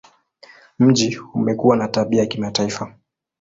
Mji umekuwa na tabia ya kimataifa.